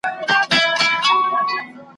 موږ په سېل درڅخه ولاړو ګېډۍ مه راوړه باغوانه `